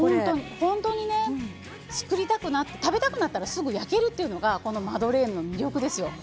本当に作りたくなって食べたくなったらすぐ焼けるっていうのがマドレーヌの魅力ですよ。